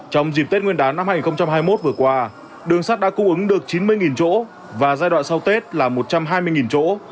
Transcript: trong dịp tết nguyên đán năm hai nghìn hai mươi một vừa qua đường sắt đã cung ứng được chín mươi chỗ và giai đoạn sau tết là một trăm hai mươi chỗ